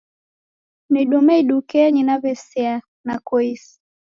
Nidume idukenyi nawe'sea nokoisi